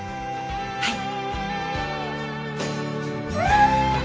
はい。